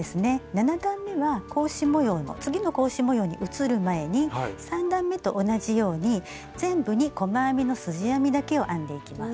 ７段めは格子模様の次の格子模様に移る前に３段めと同じように全部に細編みのすじ編みだけを編んでいきます。